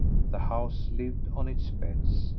The house lived on its beds.